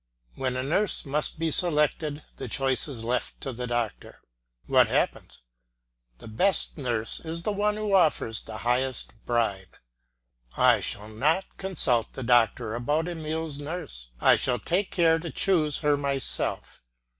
When a nurse must be selected the choice is left to the doctor. What happens? The best nurse is the one who offers the highest bribe. I shall not consult the doctor about Emile's nurse, I shall take care to choose her myself.